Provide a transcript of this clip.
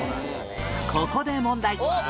ここで問題